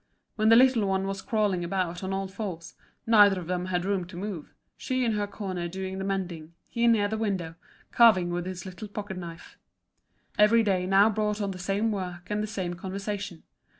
When the little one was crawling about on all fours, neither of them had room to move, she in her corner doing the mending, he near the window, carving with his little pocket knife. Every day now brought on the same work and the same conversation.